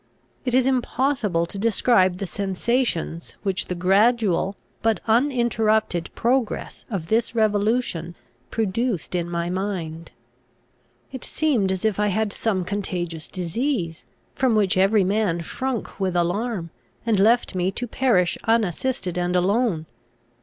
It is impossible to describe the sensations, which the gradual but uninterrupted progress of this revolution produced in my mind. It seemed as if I had some contagious disease, from which every man shrunk with alarm, and left me to perish unassisted and alone.